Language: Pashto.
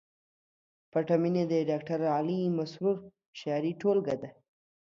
پټه مینه د ډاکټر علي مسرور شعري ټولګه ده